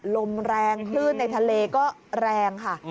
ลมแรงคลื่นในทะเลก็แรงค่ะ